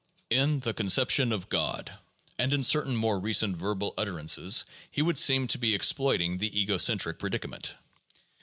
In " The Conception of God " and in certain more recent verbal utterances he would seem to be exploiting the ego centric predicament.